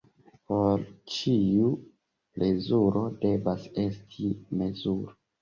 Por ĉiu plezuro devas esti mezuro.